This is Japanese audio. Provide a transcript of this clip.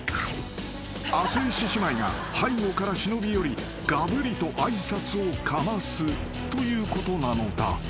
［亜生獅子舞が背後から忍び寄りがぶりと挨拶をかますということなのだ］